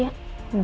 ya siapin dulu ya